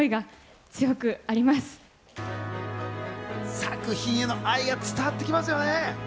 作品への愛が伝わってきますよね。